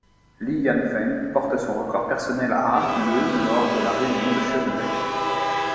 Li Yanfeng porte son record personnel à le lors de la réunion de Schönebeck.